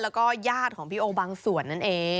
แล้วก็ญาติของพี่โอบางส่วนนั่นเอง